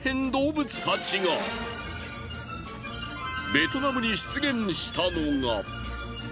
ベトナムに出現したのが。